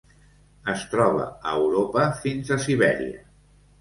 Es troba a Europa fins a Sibèria.